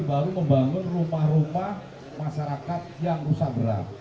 baru membangun rumah rumah masyarakat yang rusak berat